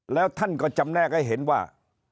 แล้วท่านก็จำแนกให้เห็นว่า